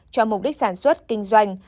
cho mục đích sản xuất kinh doanh